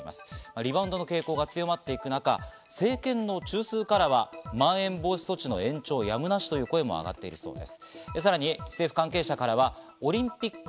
リバウンドの傾向が強まっていく中、政権中枢からはまん延防止措置の延長やむなしとの声も上がっているそうです。